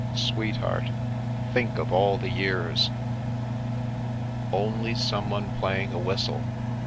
Sweetheart, think of all the years !" Only someone playing a whistle!